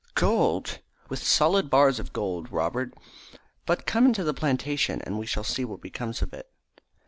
"Gold!" "With solid bars of gold, Robert. But come into the plantation and we shall see what becomes of it."